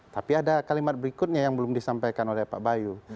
tapi ada kalimat berikutnya yang belum disampaikan oleh pak bayu